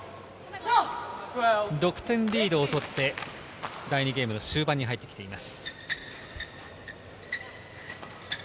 ６点リードを取って、第２ゲームの終盤に入ってきています。